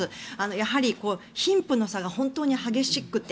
やはり、貧富の差が本当に激しくて。